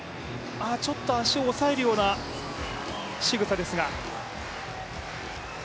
ちょっと足を押さえるようなしぐさですが。